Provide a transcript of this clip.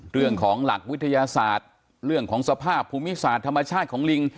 เรื่องของหลักวิทยาศาสตร์เรื่องของสภาพภูมิศาสตร์ธรรมชาติของลิง